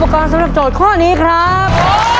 ครอบครัวของแม่ปุ้ยจังหวัดสะแก้วนะครับ